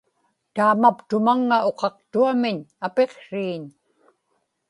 taamaptumaŋŋa uqaqtuamiñ apiqsriiñ